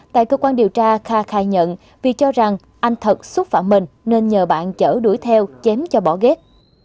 tại cơ quan điều tra kha khai nhận vì cho rằng anh thật xúc phạm mình nên nhờ bạn chở đuổi theo chém cho bỏ ghét